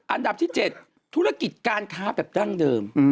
อันดับที่๗ธุรกิจการค้าแบบดั้งเดิม